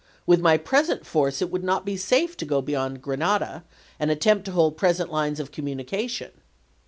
. With my present force it voiWxvil, would not be safe to go beyond Grenada and ^472.'' attempt to hold present lines of communication."